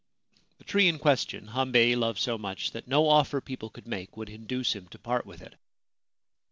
The tree in question Hambei loved so much that no offer people could make would induce him to part with it.